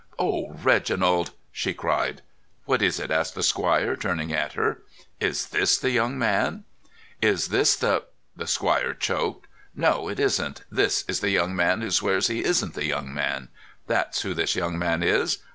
"Oh, Reginald!" she cried. "What is it?" asked the squire, turning at her. "Is this the young man?" "Is this the——" the squire choked. "No, it isn't. This is the young man who swears he isn't the young man. That's who this young man is.